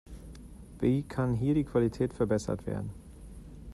Wie kann hier die Qualität verbessert werden?